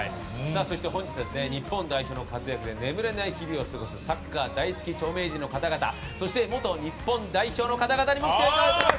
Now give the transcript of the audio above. そして本日、日本代表の活躍で眠れない日々を過ごすサッカー大好き著名人の方々そして、元日本代表の方々にも来ていただいています。